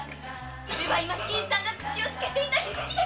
それは新さんが口をつけていた火吹き竹！